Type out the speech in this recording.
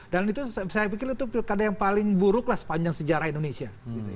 dan itu saya pikir itu pilkada yang paling buruklah sepanjang sejarah indonesia